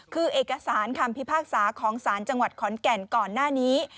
คือเอกสารคำพิพากษาของศาลจังหวัดขอนแก่นก่อนหน้านี้